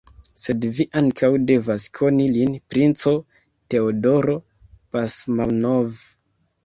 Sed vi ankaŭ devas koni lin, princo: Teodoro Basmanov!